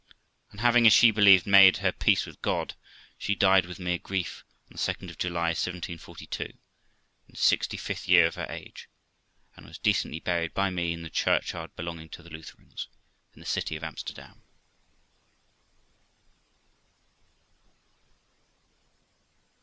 And having, as she believed, made her peace with God, she died with mere grief on the 2nd of July 1742, in the sixty fifth year of her age, and was decently buried by me in the churchyard belonging to the Lutherans, in the city of Amsterdam.